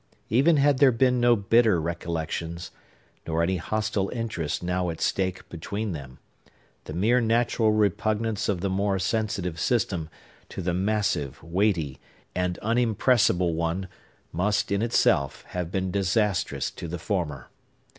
Even had there been no bitter recollections, nor any hostile interest now at stake between them, the mere natural repugnance of the more sensitive system to the massive, weighty, and unimpressible one, must, in itself, have been disastrous to the former.